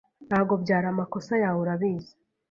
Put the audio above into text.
Ntabwo byari amakosa yawe, urabizi.